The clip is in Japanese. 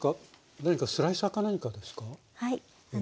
何かスライサーか何かですか？